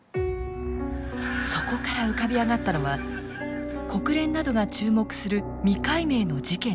そこから浮かび上がったのは国連などが注目する未解明の事件の真相。